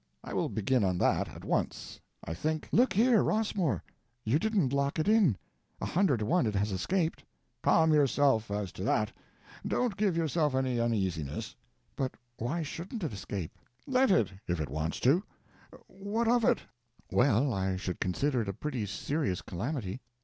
I will begin on that at once. I think— "Look here, Rossmore. You didn't lock It in. A hundred to one it has escaped!" "Calm yourself, as to that; don't give yourself any uneasiness." "But why shouldn't it escape?" "Let it, if it wants to. What of it?" "Well, I should consider it a pretty serious calamity."